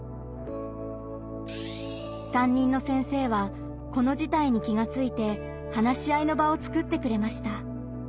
担任の先生はこの事態に気がついて話し合いの場を作ってくれました。